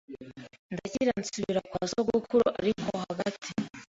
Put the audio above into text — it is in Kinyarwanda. Ndakira nsubira kwa sogokuru ariko hagati